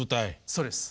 そうです。